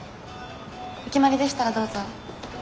お決まりでしたらどうぞ。